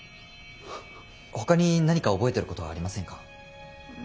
ほかに何か覚えてることはありませんか？